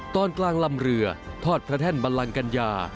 ตอนกลางลำเรือทอดพระแท่นบัลลังกัญญา